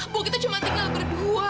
buakitu cuma tinggal berdua